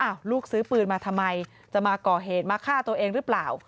ลูกซื้อปืนมาทำไมจะมาก่อเหตุมาฆ่าตัวเองหรือเปล่า